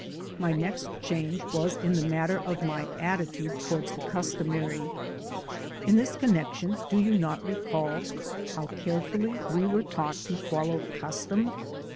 My next change was in the matter of my attitude toward the customary. In this connection do you not recall how carefully we were taught to follow cus tom?